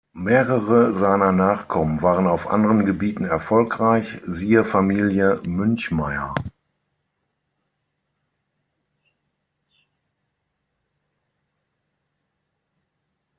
Mehrere seiner Nachkommen waren auf anderen Gebieten erfolgreich, siehe Familie Münchmeyer.